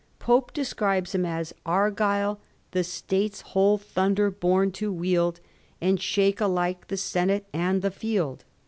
Pope describes him as Argyll, the State's whole thonder bom to wield ; And shake alike the senate and the field.